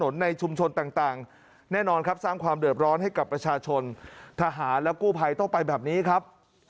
ได้สำความเดิบร้อนให้กับประชาชนทหารและกู้ภัยต้องไปแบบนี้ครับ